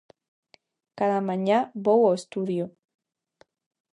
Cada mañá vou ao estudio.